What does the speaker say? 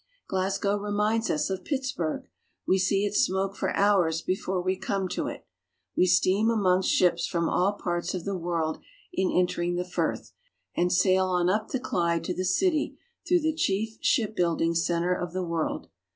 Glasgow reminds us of Pittsburg. We see its smoke for hours before we come to it. We steam amongst ships from all parts of the world in entering the Firth, and sail on up the Clyde to the city through the chief shipbuilding center of the world.